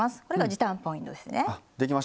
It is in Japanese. これが時短ポイントですね。